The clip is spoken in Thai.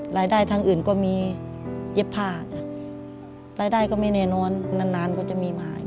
รายได้ทางอื่นก็มีเย็บผ้าจ้ะรายได้ก็ไม่แน่นอนนานก็จะมีมา